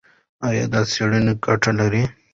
ایا دا څېړنه ګټه لري؟